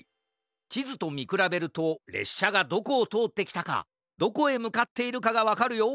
ちずとみくらべるとれっしゃがどこをとおってきたかどこへむかっているかがわかるよ。